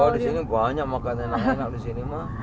wah disini banyak makanan enak enak disini mah